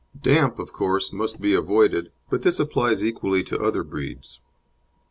Damp, of course, must be avoided, but this applies equally to other breeds.